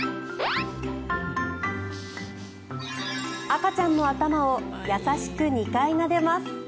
赤ちゃんの頭を優しく２回なでます。